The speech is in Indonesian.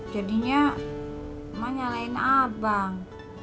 jadinya ma nyalain abang